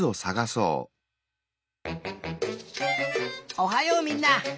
おはようみんな！